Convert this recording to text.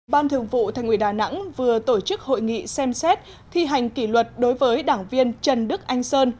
ban thường vụ thành ủy đà nẵng vừa tổ chức hội nghị xem xét thi hành kỷ luật đối với đảng viên trần đức anh sơn